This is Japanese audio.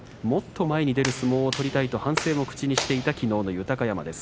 もっと前に出る相撲を取りたいと反省を口にしていたきのうの豊山。